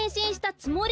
つもり？